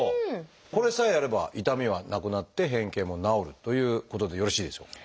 これさえやれば痛みはなくなって変形も治るということでよろしいでしょうか？